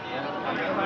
yang mau ditanya apa tadi